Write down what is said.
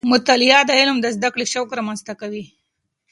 مطالعه د علم د زده کړې شوق رامنځته کوي.